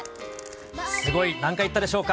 すごい、何回言ったでしょうか。